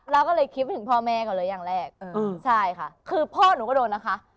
เราก็เลยคิดถึงพ่อแม่ก่อนเลยอย่างแรกคือพ่อหนูก็โดนนะคะ